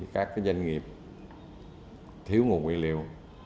các cái doanh nghiệp thiếu nguồn nguyên liệu